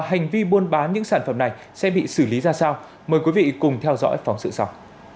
như thế nào và hành vi buôn bán những sản phẩm này sẽ bị xử lý ra sao mời quý vị cùng theo dõi phóng sự sau